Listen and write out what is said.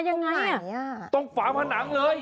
ตรงฝาผนังเลย